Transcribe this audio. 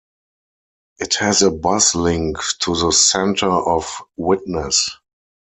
It has a Bus Link to the centre of Widnes.